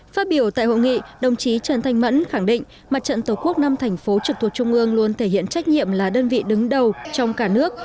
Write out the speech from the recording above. phát biểu tại hội nghị đồng chí trần thanh mẫn khẳng định mặt trận tổ quốc năm thành phố trực thuộc trung ương luôn thể hiện trách nhiệm là đơn vị đứng đầu trong cả nước